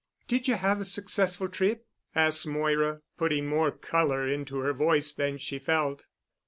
"Did you have a successful trip?" asked Moira, putting more color into her voice than she felt.